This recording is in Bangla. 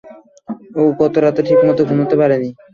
ও গত রাতে ঠিকমত ঘুমুতে পারেনি।